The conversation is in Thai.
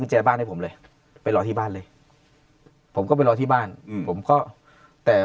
แจบ้านให้ผมเลยไปรอที่บ้านเลยผมก็ไปรอที่บ้านอืมผมก็แต่